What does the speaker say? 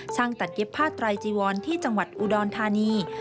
ตัดเย็บผ้าไตรจีวรที่จังหวัดอุดรธานี